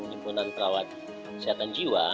impunan perawat kesehatan jiwa